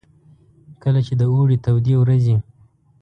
کله چې د اوړې تودې ورځې.